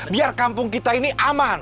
biar kampung kita ini aman